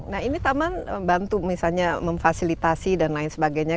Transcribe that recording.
nah ini taman bantu misalnya memfasilitasi dan lain sebagainya